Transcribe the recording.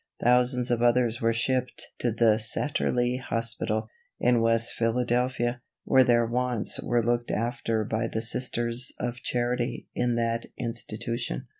Thousands of others were shipped to the Satterlee Hospital, in West Philadelphia, where their wants were looked after by the Sisters of Charity in that institution.